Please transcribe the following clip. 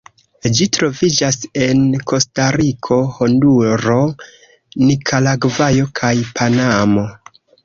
Ĝi troviĝas en Kostariko, Honduro, Nikaragvo kaj Panamo.